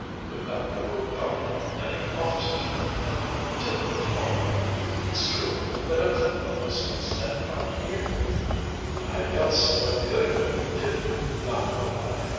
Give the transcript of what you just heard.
We've got the road guarded and the officers won't come till to morrow. It's true that a couple of us could stand guard here " "I don't see what good it would do," Nopp replied.